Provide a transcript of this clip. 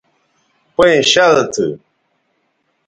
پئیں شَل تھو